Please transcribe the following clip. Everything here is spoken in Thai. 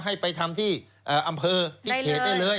ให้ไปทำที่อำเภอที่เขตได้เลย